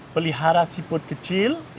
pelihara siput kecil